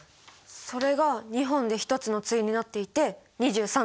それが２本で一つの対になっていて２３対。